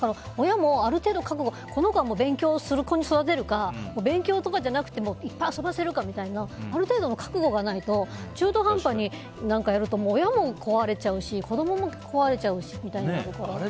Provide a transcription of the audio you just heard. ある程度この子は勉強する子に育てるか勉強とかじゃなくてもいっぱい遊ばせるかとかある程度の覚悟がないと中途半端に何かやると親も壊れちゃうし子供も壊れちゃうしって。